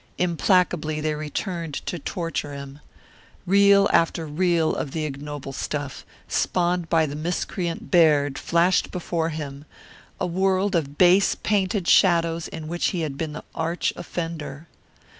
Implacably they returned to torture him. Reel after reel of the ignoble stuff, spawned by the miscreant, Baird, flashed before him; a world of base painted shadows in which he had been the arch offender.